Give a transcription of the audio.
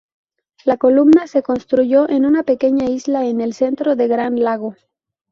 La columna se construyó en una pequeña isla en el centro del Gran Lago.